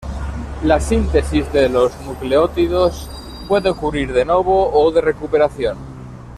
La síntesis de los nucleótidos puede ocurrir "de novo" o de recuperación.